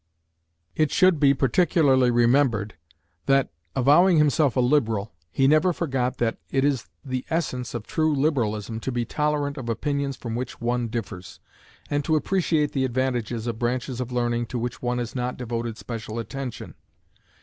It should be particularly remembered, that, avowing himself a liberal, he never forgot that it is the essence of true liberalism to be tolerant of opinions from which one differs, and to appreciate the advantages of branches of learning to which one has not devoted special attention.